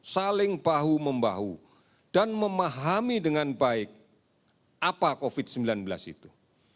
saling bahu membahu dan memahami dengan baik apa covid sembilan belas itu